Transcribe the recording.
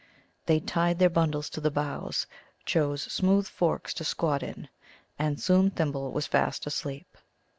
They tied their bundles to the boughs, chose smooth forks to squat in, and soon Thimble was fast asleep.